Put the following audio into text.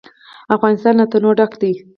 افغانستان له تنوع ډک دی.